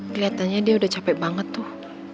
kelihatannya dia udah capek banget tuh